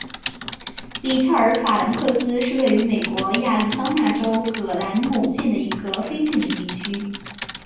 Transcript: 里特尔法兰克斯是位于美国亚利桑那州葛兰姆县的一个非建制地区。